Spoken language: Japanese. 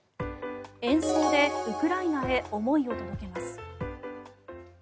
演奏でウクライナへ思いを届けます。